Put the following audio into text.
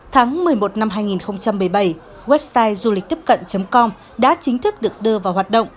tháng một mươi một năm hai nghìn một mươi bảy website du lịch tiếp cận com đã chính thức được đưa vào hoạt động